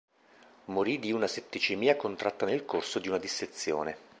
Morì di una setticemia contratta nel corso di una dissezione.